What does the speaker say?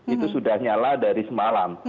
itu sudah nyala dari semalam